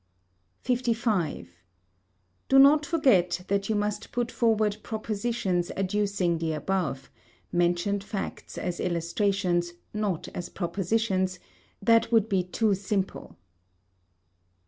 55. Do not forget that you must put forward propositions adducing the above mentioned facts as illustrations, not as propositions, that would be too simple.